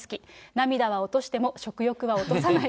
涙は落としても食欲は落とさない。